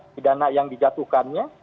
pidana yang dijatuhkannya